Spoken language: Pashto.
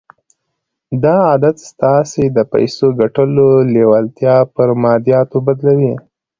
دا عادت ستاسې د پيسو ګټلو لېوالتیا پر ماديياتو بدلوي.